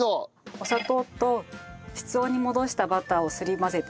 お砂糖と室温に戻したバターをすり混ぜてください。